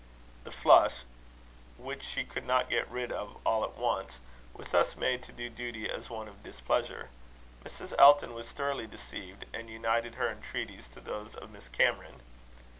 The flush, which she could not get rid of all at once, was thus made to do duty as one of displeasure. Mrs. Elton was thoroughly deceived, and united her entreaties to those of Miss Cameron.